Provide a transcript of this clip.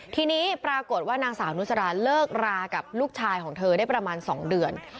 ทีนี้ปรากฏว่านางสาวนุสราเลิกรากับลูกชายของเธอได้ประมาณ๒เดือน